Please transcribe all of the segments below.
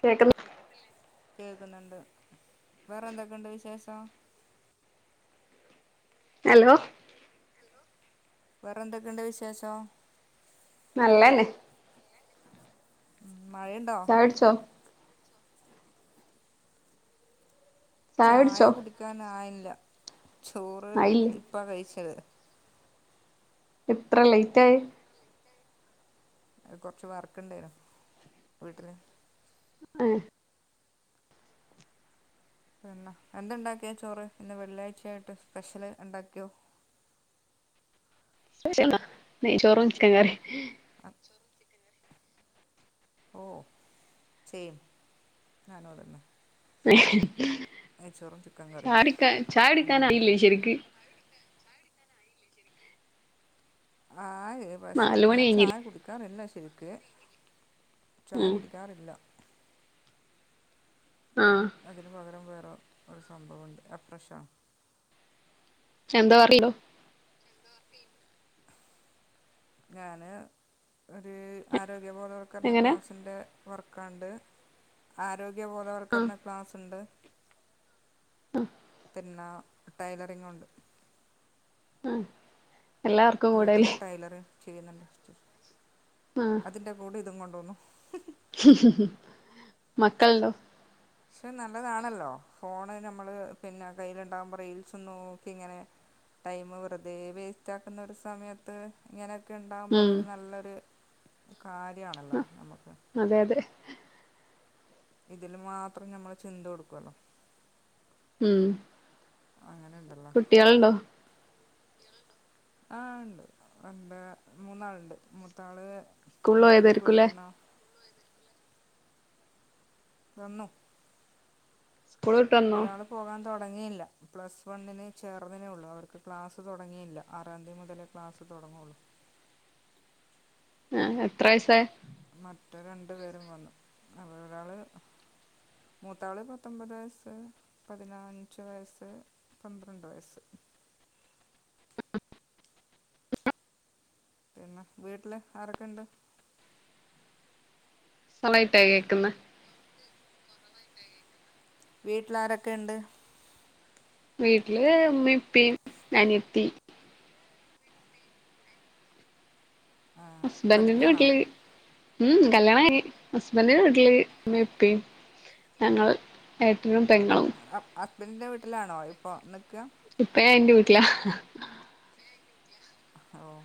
കേക്കുന്നു കേൾക്കുന്ന്ണ്ട്. വേറെ എന്തൊക്കെ ഉണ്ട് വിശേഷം? ഹലോ വേറെന്തൊക്കെണ്ട്‌ വിശേഷം? നല്ലന്നെ ഉം മഴണ്ടോ? അട് ച്ചോ ചായ ചായുടിച്ചോ കുടിക്കാനായില്ല ചോറ് ആയില്ലേ ഇപ്പാ കഴിച്ചത് എത്ര ലേറ്റ് ആയെ? അത് കൊറച്ച് വർക്ക് ണ്ടായിന്നു വീട്ടില് ഏഹ് എന്ന എന്തുണ്ടാക്കിയാ ചോറ് ഇന്ന് വെള്ളിയാഴ്ചയായിട്ട് സ്പെഷ്യല് ഉണ്ടാക്കിയോ? സ്പെലെന്താ. നെയ്ചോറും ചിക്കൻകറിം അ ഓഹ് സെയിം ഞാനു അതെന്നെ ചിക്കൻ കറിയും ചാടിക്ക ചായ ഉം കുടിക്കാനായില്ലേ ശരിയ്ക്ക് ആ ഹ് പക്ഷെ നാല് മണി ഞാൻ ചായ കഴിഞ്ഞില്ലേ കുടിക്കാറില്ല ശരിക്ക് ചായ ഉം കുടിക്കാറില്ല ആഹ് അതിന് പകരം വേറെ ഒരു സംഭവംണ്ട്. അപ്രശാണ് എന്താ [unintelligible] എന്ത വർക്കെയ്ണ്ടോ ഞാന് ഒര് ആരോഗ്യബോധവൽക്കരണ എങ്ങനെ ക്ലാസ്സിൻ്റെ വർക്കാണ്ട്. ആഹ് ആരോഗ്യബോധവർക്കരണ ക്ലാസ്ണ്ട്. അഹ് പിന്നെ ടൈലറിങു ണ്ട് ആഹ് വീട്ടിന്നു ടൈലറിംഗ് ചെയ്യുന്നുണ്ട് ആഹ് അതിൻ്റെ കൂടെ ഇതും കൊണ്ടുപോവുന്നു. മക്കൾണ്ടോ? ക്ഷെ നല്ലതാണല്ലോ ഫോണ് നമ്മള് പിന്നെ കയ്യിലുണ്ടാവുമ്പോ റീൽസും നോക്കി ങ്ങനെ ടൈമ് വെറുതെ വേസ്റ്റ് ആക്കുന്ന ഒരു സമയത്ത് ഇങ്ങനെയൊക്കെ ഉണ്ടാകുമ്പോ ഉം അതൊരു നല്ലൊരു കാര്യാണല്ലോ നമക്ക്. അതെ യതെ. ഇതില് മാത്രം ഞമ്മള് ചിന്ത കൊടുകൊല്ലോ ഉം അങ്ങനെ ണ്ട് കുട്ട്യേൾണ്ടോ? ആഹ് ഇണ്ട് എന്താ മൂന്നാളുണ്ട് മൂത്താള് സ്കൂളിൽ ഡിഗ്രിക്ക് പോയതായിരിക്കുംല്ലേ പഠിക്കുന്നു വന്നു സ്കൂൾ വിട്ട് വന്നോ ഒരാള് പോകാൻ തുടങ്ങിയില്ല പ്ലസ് വണ്ണിന് ചേർന്നതിനേ ഉള്ളൂ അവർക്ക് ക്ലാസ്സ് തുടങ്ങിയില്ല ആറാം തി മുതൽ ക്ലാസ് തൊട്ങ്ങുള്ളൂ. ഏഹ് എത്ര വയസാ? മറ്റേ രണ്ടു പേരും വന്നു അവരൊരാള് മൂത്താള് പത്തൊൻപത് വയസ്സ് പതിനാഞ്ച് വയസ്സ് പന്ത്രണ്ട് വയസ്സ് [inaudible] പിന്നെ വീട്ട് ല് ആരൊക്കെണ്ട്. നന്നായിട്ടാ കേക്കുന്നെ. വീട്ട്ലാരൊക്കെണ്ട്? വീട്ട്ല് ഉമ്മേംഇപ്പിം അനിയത്തി. ആ ഹസ്ബന്റ്ന്റെ പഠിക്കാണോ വീട്ട്ല് ഉം കല്യാണായി ഹസ്ബന്റ്ന്റെ വീട്ട്ല് മ്മി പ്പിം ഞങ്ങൾ ഏട്ടനും പെങ്ങളും. ആഹ് ഹസ്ബൻന്റിന്റെ വീട്ടിലാണോ ഇപ്പൊ നിക്ക? ഇപ്പ ഞായിന്റെ വീട്ട്ലാ. ഓഹ്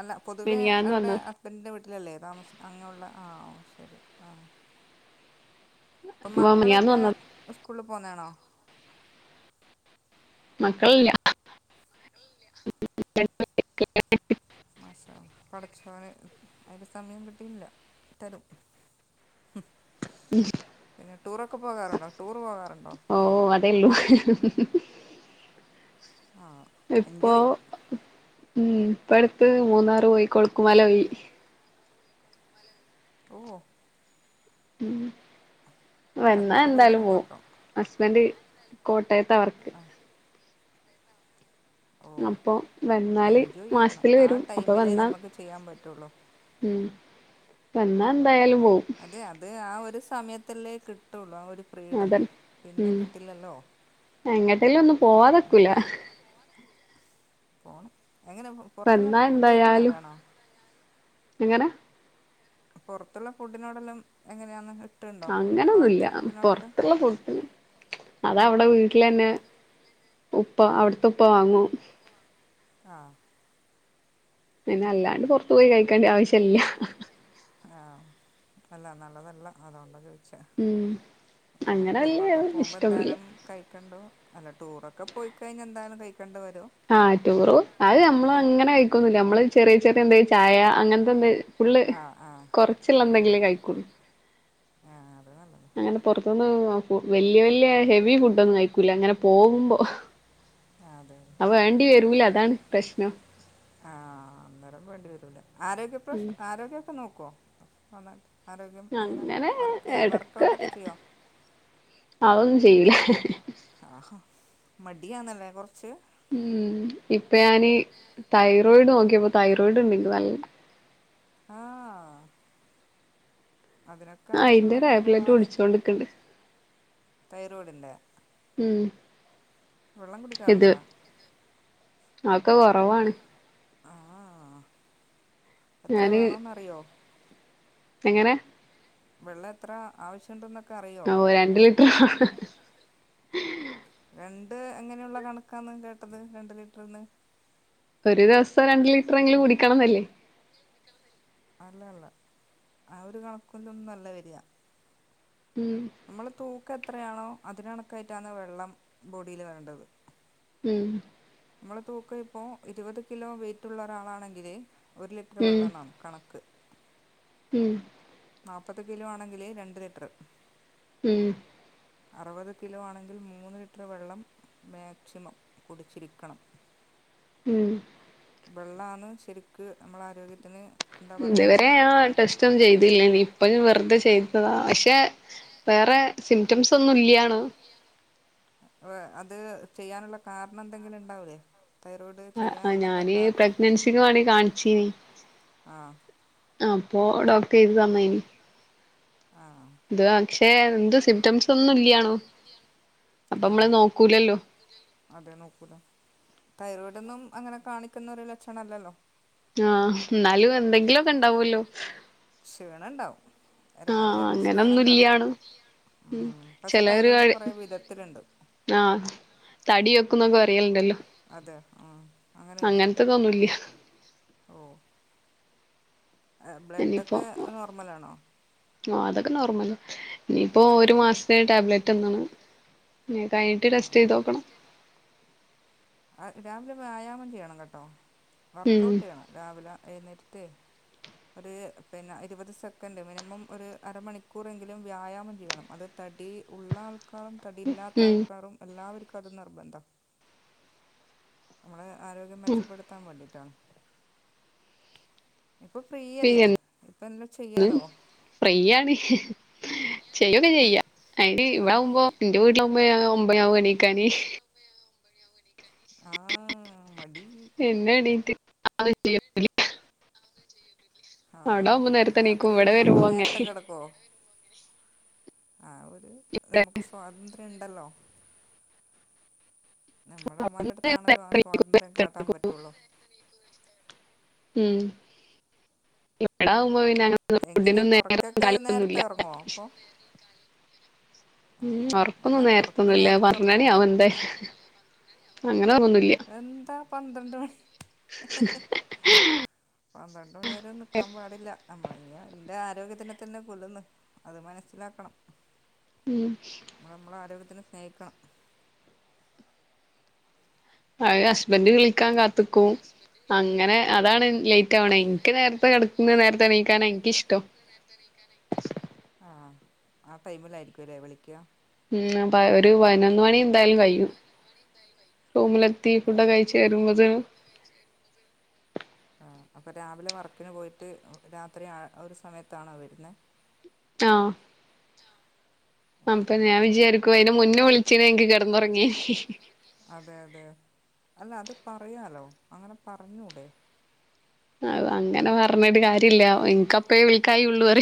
അല്ല പൊതുവെ മിനിയാന്ന് അവിടെ വന്നത് ഹ സ്ബന്റ്ന്റെ വീട്ടിലല്ലേ താമസം അങ്ങെള്ള ആഹ് ശരി ആഹ്. ഇപ്പം ഉമ്മ മിനിയാന്ന് മക്കളൊക്കെ വന്നത് ഉസ്കൂൾല് പോന്നാണോ. മക്കൾല്യാ. മക്കൾല്യ. മാഷാ പടച്ചോന് അയില് സമയം കിട്ടിയില്ല തരും. ഉം ഉം പിന്നെ ടൂറൊക്കെ പോകാറുണ്ടോ ടൂർ പോകാറുണ്ടോ? ഓഹ് അതെള്ളു ആഹ്. ഇപ്പോ ഉം ഇപ്പട്ത്ത് മൂന്നാറ് പോയി. കൊളുക്ക് മലോയി. മലോയ് ഓഹ്. ഉം വന്നാ ഹസ്ബൻഡും എന്തായാലും വൈഫും പോവും. മാത്രം അസ്ബന്റ് കോട്ടയത്താ വർക്ക്. ഓ അപ്പൊ വന്നാല് എൻജോയ് ചെയ്യണം മാസ്ത്തില് ആ വരും അപ്പൊ ടൈമിലേ വന്നാ നമുക്ക് ചെയ്യാൻ പറ്റുള്ളൂ ഉം വന്നാ എന്തായാലും പോവും. അതെ അത് ആ ഒരു സമയത്തല്ലേ കിട്ടൊള്ളൂ ആ ഒരു ഫ്രീഡം അതന്നെ പിന്നെ ഉം കിട്ടില്ലല്ലോ എങ്ങട്ടേലും ഒന്നും അപ്പം പോവാതെക്കൂല പോവതക്കൂല. പോണം എങ്ങനെ പൊറത്തുന്നൊക്കെ ഫുഡ് കഴിക്കുന്ന ആളാണോ? എങ്ങനെ. പൊറത്ത്ള്ള ഫുഡിനോടെല്ലാം എങ്ങനെയാന്ന് ഇട്ടുണ്ടോ ഫാസ്റ്റ് അങ്ങനൊന്നുല്ല ഫുഡിനോടൊക്കെ പൊറത്ത്ള്ള ഫുഡ് അതവിടെ വീട്ട്ലന്നെ ഉപ്പ അവിട്ത്തെ ഉപ്പ വാങ്ങും. ആഹ്. പിന്നെ അല്ലാണ്ട് പൊർത്തുപോയി കഴിക്കേണ്ട ആവശ്യല്ലാ. ആഹ് അല്ല നല്ലതല്ല അതോണ്ട ചോ യ്ച്ച ഉം നമ്മ അങ്ങനെ വല്യ ടൂറൊക്കെ പോവുമ്പോ ഇഷ്ടൊന്നുല്ല എന്തായാലും കഴിക്കണ്ടു അല്ല ടൂറൊക്കെ പോയിക്കയിഞ്ഞാ എന്തായാലും കയിക്കേണ്ട് വരും. ആഹ് ടൂറു അത് നമ്മള് അപ്പോ അങ്ങനെ കയിക്കൊന്നുല്ല. നമ്മള് ചെറിയ ചെറിയ എന്താ ചായ അങ്ങൻത്തെ എന്തേ ഫുള്ള് ആഹ് ആഹ് കൊർച്ചിള്ള ആഹ് എന്തെങ്കിലും കഴിക്കൊള്ളൂ ആഹ് അത് നല്ലതാ അങ്ങനെ. പൊർത്ത്ന്ന് വല്യ വല്യ ഹെവി ഫുഡൊന്നും കഴിക്കൂല്ല. ഇങ്ങനെ പോവുമ്പോ. ആഹ് അതെ. അത് വേണ്ടി വരൂല അതാണ് പ്രശ്നം. ആഹ് അന്നേരം വേണ്ടി വരൂല. ആരോഗ്യപ്രശ്ന ആരോഗ്യൊക്കെ നോക്കോ നന്നായിട്ട് ആരോഗ്യം എങ്ങനെ അങ്ങനെ വർക്ക് എടക്ക് വർക്കൗട്ടൊക്കെ ചെയ്യോ? അതൊന്നും ചെയ്യൂല. ആഹാ മടിയാന്നല്ലേ കൊറച്ച്. ഉം ഇപ്പ ഞാന് തൈറോയിഡ് നോക്കിയപ്പോ തൈറോയിഡ് ഇണ്ട് ഇനിക്ക് നല്ലണം ആഹ്. അതിനൊക്കെ അയിന്റെ ആവശ്യള്ള ടാബ്ലറ്റ് സംഭവാന്ന് കുടിച്ചോണ്ട്ക്ക്ണ്ട് തൈറോയ്ഡിന്റെ. ഉം വെള്ളം കുടിക്കാറ്ണ്ടാ? ആക്കെ കൊറവാണ്. ആഹ് ആഹ് എത്ര ഞാന് വേണോന്നറിയോ? എങ്ങനെ? വെള്ള എത്ര ആവശ്യണ്ട്ന്നൊക്കറിയോ? ഓ രണ്ട് ലിറ്റർ രണ്ട് എങ്ങനെയുള്ള കണക്കാന്ന് കേട്ടത് രണ്ട് ലിറ്ററ്ന്ന് ഒരു ദെവസം രണ്ട് ലിറ്ററെങ്കിലും കുടിക്കണന്നല്ലേ? അല്ല അല്ല ആ ഒരു കണക്കിലൊന്നു അല്ല വെരാ ഉം ഇമ്മളെ തൂക്കെത്രയാണോ അതിന് കണക്കായിറ്റാണ് വെള്ളം ബോഡീല് വേണ്ടത് ഉം മ്മളെ തൂക്കയിപ്പോ ഇരുപത് കിലോ വെയിറ്റുള്ളൊരാളാണെങ്കില് ഒരു ലിറ്ററ് ഉം വെള്ളണം കണക്ക് ഉം നാപ്പത് കിലോ ആണെങ്കില് രണ്ട് ലിറ്ററ് ഉം അറുപത് കിലോ ആണെങ്കിൽ മൂന്ന് ലിറ്റർ വെള്ളം മാക്സിമം കുടിച്ചിരിക്കണം. ഉം വെള്ളാന്ന് ശെരിക്ക് നമ്മളാരോഗ്യത്തിന് ഇതുവരെ ഞാ ടെസ്‌റ്റൊന്നും ചെയ്തില്ല ഇനിപ്പ വെറ്തെ ചെയ്തതാ ആശ് ക്കെ വേറെ സിംറ്റമ്സൊന്ന്ല്ല്യാണ് അഹ് അത് ചെയ്യാന്ള്ള കാരണന്തെങ്കില്ണ്ടാവൂലേ? തൈറോയിഡ് ആഹ് ഞാന് പ്രഗ്നൻസിക്ക് വേണ്ടി കാണിച്ചീനി ആ അപ്പൊ ഡോക്ടറെയ്തി തന്നയേനി ആഹ് ആഹ് ഇത് പക്ഷെ ന ഇത് സിംറ്റംസൊന്നുല്ല്യാണു ഓ അപ്പമ്മള് നോക്കൂലല്ലോ അതെ നോക്കൂല തൈറോയ്ഡൊന്നും അങ്ങനെ കാണിക്ക്ന്നൊരു ലക്ഷണല്ലല്ലോ ആഹ് എന്നാലും എന്തെങ്കിലൊക്കെണ്ടാവല്ലോ ക്ഷീണണ്ടാവും ആഹ് രാവിലൊക്കെ ക്ഷീണം അങ്ങനൊന്നും കാണും. ഇല്ല്യാണും ഉം പക്ഷെ തൈറോയ്ഡ് കൊറെ വിധത്തിലുണ്ട് ആഹ് തടി വെക്കുന്നൊക്കെ പറയലുണ്ടല്ലോ അതെ ഉം അങ്ങനെണ്ട്. അങ്ങനത്തതൊന്നുംല്ല ഓഹ് എ ഇനിയിപ്പോ ബ്ലഡൊക്കെ നോർമലാണോ? ആഹ് അതൊക്കെ നോർമലാ ഇനിയിപ്പോ എച്ച് ബി ഒരു ഒക്കെ മാസത്തേന് ടാബ്ലറ്റൊന്നും ഉം കയ്ഞ്ഞിട്ട് തന്നു ടെസ്റ്റെയ്തോക്കണം. അഹ് രാവിലെ വ്യായാമം ചെയ്യണം കേട്ടോ ഉം വർക്കൗട്ട് ചെയ്യണം രാവിലെ എഴുന്നേറ്റ്ട്ടെ ഒര് പിന്നെ ഇരുപത് സെക്കൻഡ് മിനിമം ഒരു അരമണിക്കൂറെങ്കിലും വ്യായാമം ചെയ്യണം അത് തടി ഉള്ള ആൾക്കാറും തടി ഇല്ലാത്ത ഉം ആൾക്കാറും എല്ലാവര്ക്കും അത് നിർബന്താ മ്മള് ആരോഗ്യം മെച്ചപ്പെടുത്താൻ വേണ്ടിട്ടാണ് ഇപ്പൊ ഫ്രീയല്ലേ ഇപ്പെല്ലം ചെയ്യാലോ ഫ്രീയാണ്. ചെയ്യൊക്കെ ചെയ്യ അയ്ന് ഇവിടാവുമ്പോ ന്റെവീട്ടിലാവുമ്പ ഒമ്പണ്യാവും എണീക്കാന് ആഹ്...... മടീ... പിന്നെണീറ്റ് [unintelligible] അവിടെ ആഹ് ആവുമ്പോ നേരത്തെ എണീക്കും രാത്രി ഇവിടെ അപ്പൊ വരുമ്പോ അങ്ങനെ നേരത്തെ കെടക്കോ? ആ ഒരു ഞമ്മക്ക് സ്വാതന്ത്ര്യംണ്ടല്ലോ? നമ്മളുമ്മാന്റെടുത്താണല്ലോ ആ സ്വാതന്ത്ര്യം കാട്ടാൻ പറ്റൊള്ളു ഉം ഇവ്ടാവുമ്പ പിന്ന എങ്ങനെ ഉറക്കൊക്കെ നേരത്തെ ഉറങ്ങുവോ അപ്പൊ ഉം ആഹ് അല്ല ഒറക്കൊന്നും ഉറക്ക് നേരത്തൊന്നുല്ല നേരത്തെ പന്ത്രണ്ടു മണി ഉറങ്ങുവോ ആവും എന്തായാലും അങ്ങനെന്നുമില്ല എന്താ പന്ത്രണ്ട് മണി ഹ് ഹ് ഹ് പന്ത്രണ്ട് മണിവരെ ഒന്നും നിൽക്കാൻ പാടില്ല നമ്മള എന്റെ ആരോഗ്യത്തിനെ തന്നെ കൊല്ലന്ന് അത് മനസ്സിലാക്കണം ഉം നമ്മൾ നമ്മളെ ആരോഗ്യത്തിന് സ്നേഹിക്കണം അ ഹ്ഹസ്ബൻഡ് വിളിക്കാൻ കാ ത്ക്കും അങ്ങനെ അതാണ് ലേറ്റ് തുകും അങ്ങനെ അതാണ് വെബഎനിക്ക് നേരത്തെ കിടക്കുന്നത് നേരത്തെ എണീക്കാന എനിക്കിഷ്ടം ആ ആ ടൈമിലയിരിക്കുംല്ലേ വിളിക്ക ഉ ഒരു പതിനൊന്ന് മണി എന്തായാലും കഴിയും റൂമിലെത്തി ഫുഡ കഴച്ച് വരുമ്പോത് കഴിച്ചരുന്നു ആ അപ്പോൾ രാവിലെ വർക്കിന് പോയിട്ട് രാത്രി ഒരു സമയത്താണോ വരുന്നത് ആഹ് അപ്പൊ ഓഹ് ഞാൻ വിച ക്കുഅതിനെ മുന്നേ വിളിച്ചീ എനിക്ക് കിടന്നുറങ്ങി അതെ അതെ അല്ല അത് പറയാലോ അങ്ങനെ പറഞ്ഞൂടെ അത് അങ്ങനെ പറഞ്ഞിട്ട് കാര്യ ഇല്ല എനിക്കപ്പ വിൽക്കായ ഉള്ളൂ പറ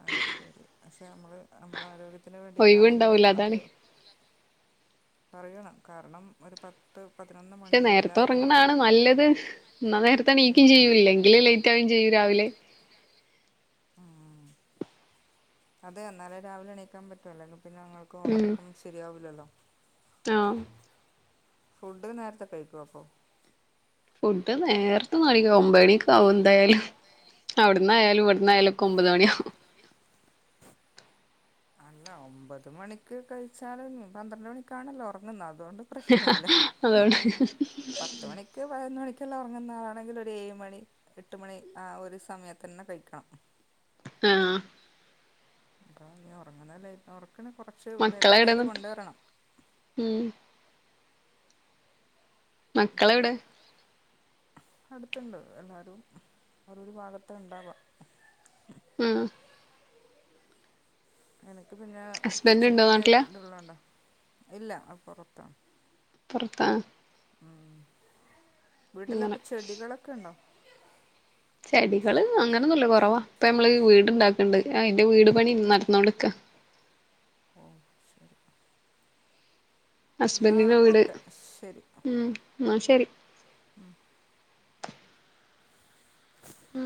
ആ ശരി പക്ഷെ നമ്മൾ നമ്മൾ ആരോഗ്യത്തിന് വേണ്ടിയിട്ടാണെങ്കിലും ഒഴിവുണ്ടാവൂല അത് അതാണ് പറയണം കാരണം ഒരു പ പ ത്ത്പതിനൊന്ന് പക്ഷെ നേരത്തെ ഉറങ്ങണാണ് നല്ലത് എന്നാ നേരത്തെ നീക്കും ഉം ചെയ്യൂ ഇല്ലെങ്കിൽ യും ചെയ്യൂ രാവിലെ ആഹ്അതെ എന്നാലെ രാവിലെ എണീക്കാൻ പറ്റു അല്ലെങ്കി പിന്നെ ങ്ങൾക്ക് ഉം ഉറക്കം ശരിയാവില്ലല്ലോ ആഹ് ഫുഡ് നേരത്തെ കഴിക്കുവോ അപ്പോ ഫുഡ് നേരത്തെ ഒന്നും കഴിക്കില്ല ഒമ്പത് മണിക്ക് ആകും എന്തായാലും അവിടുന്നായയാലും ഇവിടന്ന് ആയാലുംക്കെ ഒമ്പത് മണിയും അല്ല ഒമ്പത് മണിക്ക് കഴിച്ചാലും പന്ത്രണ്ട് മണിക്കാണല്ലോ ഉറങ്ങുന്നത് അതുകൊണ്ട് പ്രശ്ന ല്ല അതുകൊണ്ട് പത്ത് മണിക്ക് പതിനൊ മണിക്കെല്ലാം ഇറങ്ങുന്നാണെങ്കിൽ ഒരു ഏഴ് മണി എട്ട് മണി ആ ഒരു സമയത്ത് തന്നെ കഴിക്കണം ആഹ് അപ്പ ഉറങ്ങുന്നല്ല ഉറക്ക കൊറ മക്കളെ എവിടെന്നിട്ട് ഉം അണ്ട് മക്കളെവിടെ [inaudible] അടുത്തുണ്ട് എല്ലാവരും ഓരോരു ഭാഗത്ത ഉണ്ടാവുക ഉം എനിക്ക് പിന്നെ ഹസ്ബൻഡ് ഉണ്ടോ സ്റ്റിച്ചിങ്ങിൻ്റെ നാട്ടില് ഇതള്ളത കൊണ്ടാണ് ഇല്ല പുറത്താണ് പുറത്ത ഉം, വീട്ടിൽ അപ്പൊ അങ്ങനെ ചെടികളൊക്കെ ഉണ്ടോ? ചെടികള് അങ്ങനെയൊന്നുമല്ല കുറവാ ഇപ്പൊ നമ്മള് വീട്ണ്ടാക്കണ്ട് അതിന്റെ വീട് പണി നടന്ന കൊണ്ടിരിക്ക ആഓ എന്നാൽ ഹസ്ബന്റിന്റെ വീട്, ഓക്കെ ഉം ന്നാ ശരി. മം ഉം